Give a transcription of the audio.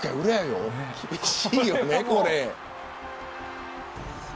厳しいよね、これ。